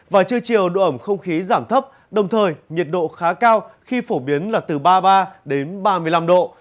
và trưa chiều độ ẩm không khí giảm thấp đồng thời nhiệt độ khá cao khi phổ biến là từ ba mươi ba ba mươi năm độ